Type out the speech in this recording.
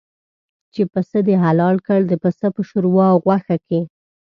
چې پسه دې حلال کړ د پسه په شوروا او غوښه کې.